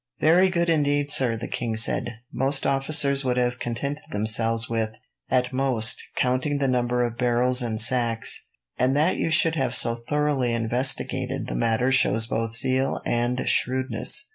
"Very good, indeed, sir," the king said. "Most officers would have contented themselves with, at most, counting the number of barrels and sacks; and that you should have so thoroughly investigated the matter shows both zeal and shrewdness."